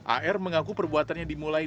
ar mengaku perbuatan ini tidak berhasil